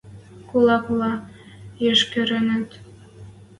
– Кулаквлӓ йышкыренӹт...